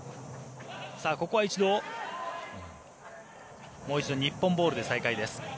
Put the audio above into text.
ここはもう一度日本ボールで再開です。